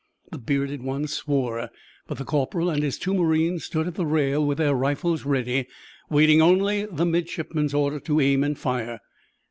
The bearded one swore, but the corporal and his two marines stood at the rail with their rifles ready, waiting only the midshipman's order to aim and fire.